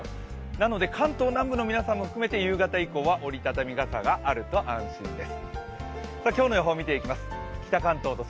なので関東南部の皆さんも含めて夕方以降は折り畳み傘があると安心です。